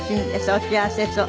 お幸せそう。